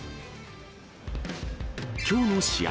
きょうの試合